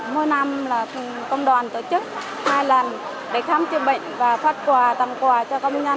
mỗi năm là công đoàn tổ chức hai lần để khám chữa bệnh và phát quà tặng quà cho công nhân